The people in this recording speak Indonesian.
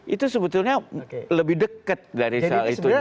itu sebetulnya lebih dekat dari hal itu